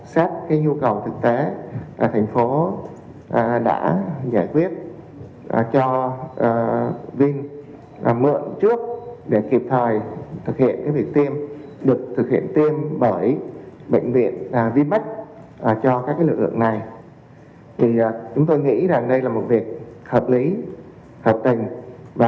xác cái nhu cầu thực tế thành phố đã giải quyết cho vingroup mượn trước để kịp thời thực hiện việc tiêm